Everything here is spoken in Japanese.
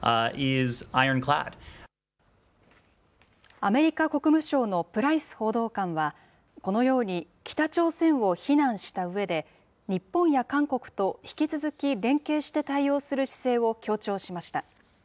アメリカ国務省のプライス報道官は、このように北朝鮮を非難したうえで、日本や韓国と引き続き連携して対応する姿勢を強調しました。